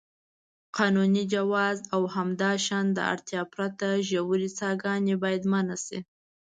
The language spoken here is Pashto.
قانوني جواز او همداشان د اړتیا پرته ژورې څاګانې باید منع شي.